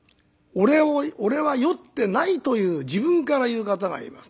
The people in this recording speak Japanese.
「俺は酔ってない」という自分から言う方がいます。